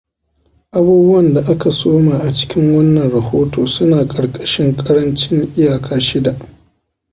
Abubuwan da aka samo a cikin wannan rahoto suna ƙarƙashin ƙarancin iyaka shida.